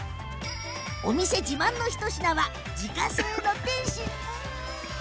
お店自慢の一品は自家製の点心。